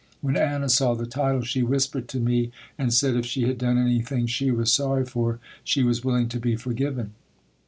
When Anna saw the title, she whispered to me and said if she had done anything she was sorry for she was willing to be forgiven.